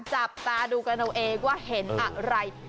จับตาดูกันเอาเองว่าเห็นอะไร